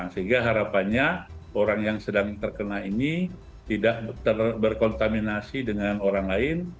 sehingga harapannya orang yang sedang terkena ini tidak berkontaminasi dengan orang lain